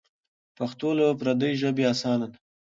پښتو له پردۍ ژبې اسانه ده.